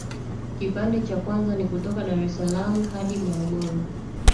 Kipande cha kwanza ni kutoka dar es salaam hadi Morogoro